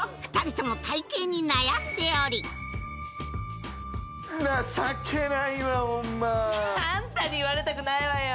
とも体形に悩んでおり情けないわホンマあんたに言われたくないわよ